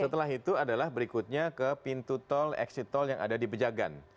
setelah itu adalah berikutnya ke pintu tol exit tol yang ada di pejagan